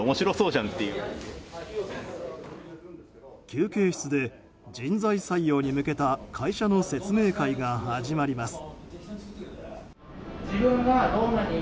休憩室で、人材採用に向けた会社の説明会が始まります。